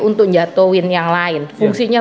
untuk jatuhin yang lain fungsinya